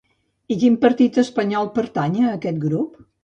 I quin partit espanyol pertany a aquest grup?